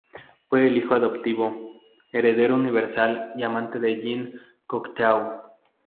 Fue el hijo adoptivo, heredero universal y amante de Jean Cocteau.